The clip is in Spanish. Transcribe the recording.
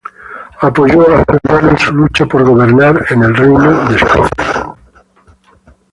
Apoyó a su hermano en su lucha por gobernar el Reino de Escocia.